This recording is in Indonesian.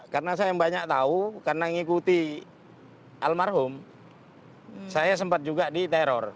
karena saya yang banyak tahu karena mengikuti almarhum saya sempat juga diteror